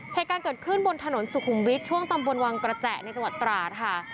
เหตุการณ์เกิดขึ้นบนถนนสุขุมวิทย์ช่วงตำบลวังกระแจในจังหวัดตราดค่ะ